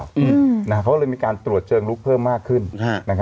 เขาก็เลยมีการตรวจเชิงลุกเพิ่มมากขึ้น